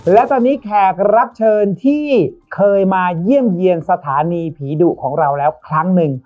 และตอนนี้แขกรับเชิญที่เคยมาเยี่ยมเยี่ยมสถานีผีดุของเราแล้วครั้งหนึ่ง